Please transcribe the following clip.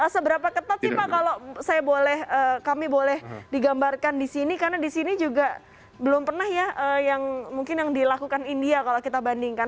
seberapa ketat sih pak kalau kami boleh digambarkan di sini karena di sini juga belum pernah ya yang mungkin yang dilakukan india kalau kita bandingkan